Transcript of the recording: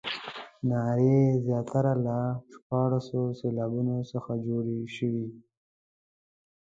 نارې زیاتره له شپاړسو سېلابونو څخه جوړې شوې.